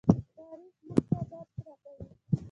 تاریخ موږ ته درس راکوي.